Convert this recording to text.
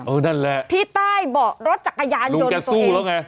เออนั่นแหละลุงแกสู้แล้วไงที่ใต้เบาะรถจักรยานยนต์ตัวเอง